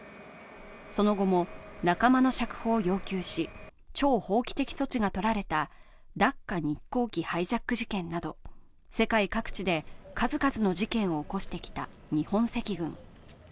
その後も仲間の釈放を要求し、超法規的措置が取られたダッカ日航機ハイジャック事件など世界各地で数々の事件を起こしてきた日本赤軍。